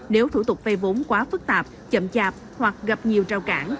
nếu thủ tục vây vốn quá phức tạp chậm chạp hoặc gặp nhiều trao cản